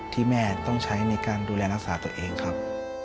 ที่แม่ต้องใช้ในการดูแลรักษาตัวเองครับ